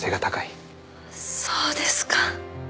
そうですか